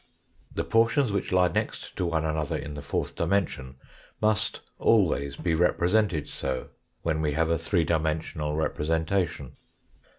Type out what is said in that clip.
The portions which lie next to one another in the fourth dimension must always be repre sented so, when we have a three dimensional representation.